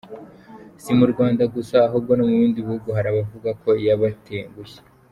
Si mu Rwanda gusa ahubwo no mu bindi bihugu hari abavuga ko yabatengushye.